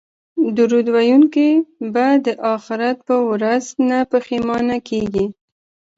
درود ویونکی به د اخرت په ورځ نه پښیمانه کیږي